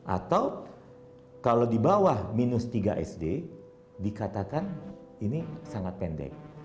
atau kalau di bawah minus tiga sd dikatakan ini sangat pendek